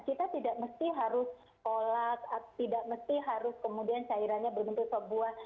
kita tidak mesti harus kolak tidak mesti harus kemudian cairannya berbentuk sebuah